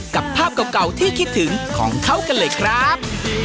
กับภาพเก่าที่คิดถึงของเขากันเลยครับ